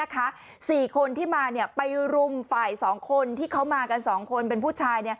๔คนที่มาไปรุมฝ่าย๒คนที่เขามากัน๒คนเป็นผู้ชาย